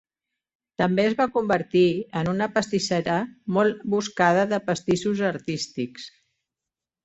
També es va convertir en una pastissera molt buscada de "pastissos artístics".